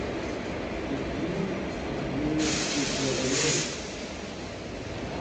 Pep hini en deus e wirionez.